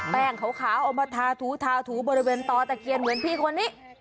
แป้งขาวเอามาทาถูทาถูบริเวณต่อตะเคียนเหมือนพี่คนนี้